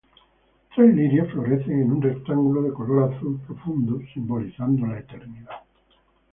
Tres lirios florecen en un rectángulo de color azul profundo, simbolizando la eternidad.